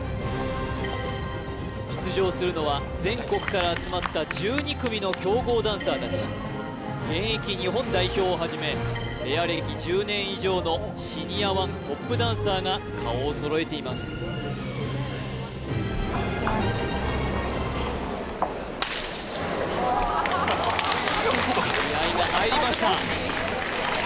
出場するのは全国から集まった１２組の強豪ダンサーたち現役日本代表をはじめペア歴１０年以上のシニアⅠトップダンサーが顔を揃えていますいきますせの気合が入りました